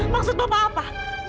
maksud bapak apa